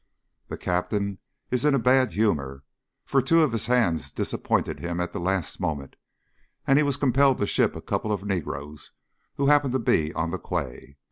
The Captain is in a bad humour, for two of his hands disappointed him at the last moment, and he was compelled to ship a couple of negroes who happened to be on the quay.